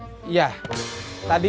mamang kesini cuma mau duduk